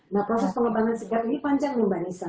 nah proses pengembangan sigap ini panjang mbak nisa